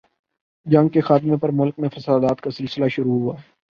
جنگ کے خاتمہ پر ملک میں فسادات کا سلسلہ شروع ہوا۔